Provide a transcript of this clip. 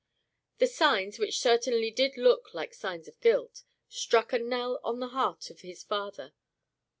The signs, which certainly did look like signs of guilt, struck a knell on the heart of his father.